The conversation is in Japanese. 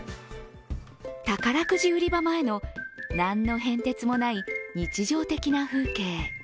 宝くじ売り場前の、何の変哲もない日常的な風景。